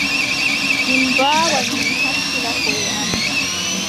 Min mbaawan min hakkila koʼe amin.